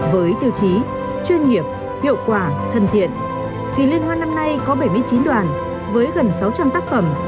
với tiêu chí chuyên nghiệp hiệu quả thân thiện kỳ liên hoan năm nay có bảy mươi chín đoàn với gần sáu trăm linh tác phẩm